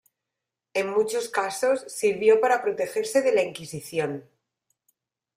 En muchos casos sirvió para protegerse de la Inquisición.